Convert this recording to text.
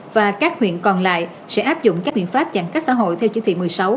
và các huyện còn lại sẽ áp dụng các biện pháp giãn cách xã hội theo chỉ thị một mươi sáu